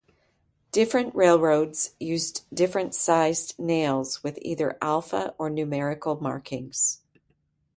Different railroads used different sized nails with either alpha or numerical markings.